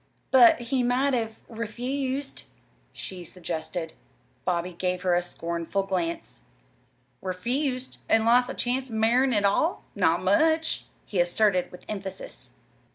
"But he might have refused," she suggested. Bobby gave her a scornful glance. "Refused an' lost the chance of marryin' at all? Not much!" he asserted with emphasis.